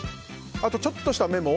あとはちょっとしたメモ